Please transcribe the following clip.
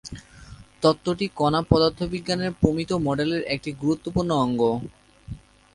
তত্ত্বটি কণা পদার্থবিজ্ঞানের প্রমিত মডেলের একটি গুরুত্বপূর্ণ অঙ্গ।